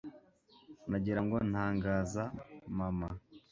nagira ngo ntangaza, mama